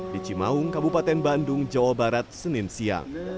di cimaung kabupaten bandung jawa barat senin siang